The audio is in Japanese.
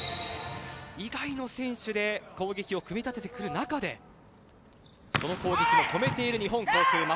以外の選手で攻撃を組み立ててくる中でその攻撃も止めている日本航空。